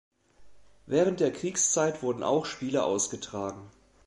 Während der Kriegszeit wurden auch Spiele ausgetragen.